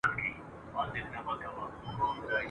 د دې زوی په شکایت یمه راغلې !.